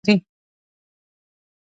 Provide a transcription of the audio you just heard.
د مالګې سره خلک مینه لري.